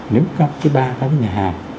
nếu các cái ba các cái nhà hàng